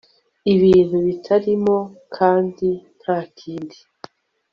Ibintu bitarimo kandi ntakindi